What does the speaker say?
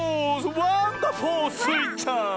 ワンダホースイちゃん！